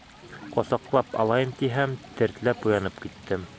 Ҡосаҡлап алайым тиһәм, тертләп уянып киттем.